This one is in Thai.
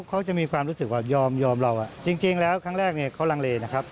เขาจะมีความรู้สึกว่ายอมเราจริงแล้วครั้งแรกเนี่ยเขาลังเลนะครับ